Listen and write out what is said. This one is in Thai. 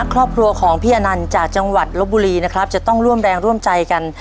ครอบครัวของพี่อนันต์จากจังหวัดลบบุรีนะครับจะต้องร่วมแรงร่วมใจกัน